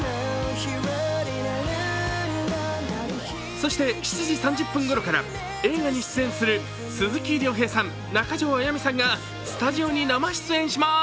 そして７時３０分ごろから映画に出演する鈴木亮平さん、中条あやみさんがスタジオに生出演します。